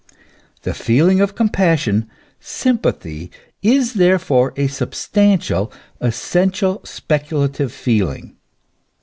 The feel ing of compassion, sympathy, is therefore a substantial, essen tial, speculative feeling.